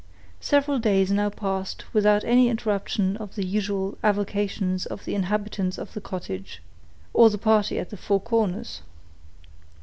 Several days now passed without any interruption of the usual avocations of the inhabitants of the cottage, or the party at the Four Corners.